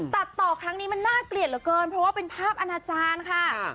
ตัดต่อครั้งนี้มันน่าเกลียดเหลือเกินเพราะว่าเป็นภาพอาณาจารย์ค่ะ